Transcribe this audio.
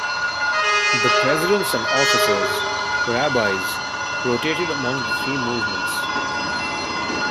The presidents and officers, rabbis, rotated among the three movements.